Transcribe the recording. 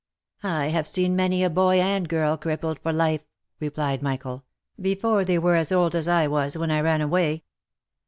" I have seen many a boy and girl crippled for life," replied Michael, " before they were as old as I was when I ran away."